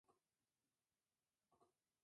Kate cae en razón y dice que es el chihuahua.